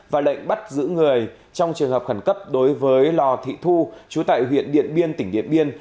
và lệnh bắt giữ người trong trường hợp khẩn cấp đối với lò thị thu chú tại huyện điện biên tỉnh điện biên